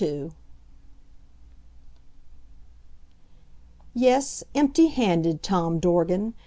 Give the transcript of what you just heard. II. Yes, empty handed, Tom Dorgan.